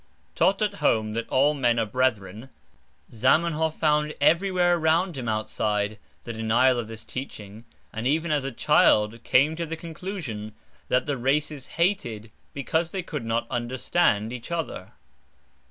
Taught at home that all men are brethren, Zamenhof found everywhere around him outside the denial of this teaching, and even as a child came to the conclusion that the races hated, because they could not understand, each other.